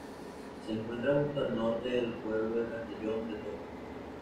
Se encuentra justo al norte del pueblo de Castellón de Tor.